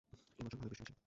এ বছর ভালোই বৃষ্টি হয়েছে।